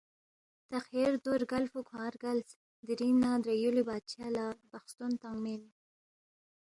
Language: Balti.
تا خیر دو رگلفو کھوانگ رگلس، دِرِنگ ن٘ا درے یُولی بادشاہ لہ بخستون تنگمی اِن